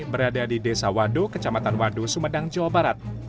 berada di desa wado kecamatan wado sumedang jawa barat